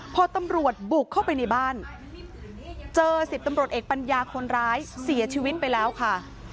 พอตำรวจบุกเข้าไปในบ้านเจอ๑๐ตำรวจเอกปัญญาคนร้ายเสียชีวิตไปแล้วค่ะ